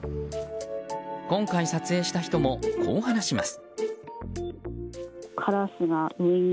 今回、撮影した人もこう話します。